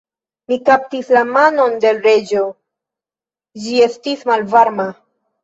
Mi kaptis la manon de l' Reĝo: ĝi estis malvarma.